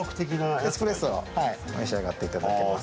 エスプレッソを召し上がっていただけます。